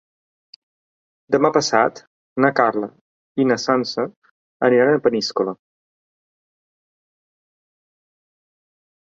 Demà passat na Carla i na Sança aniran a Peníscola.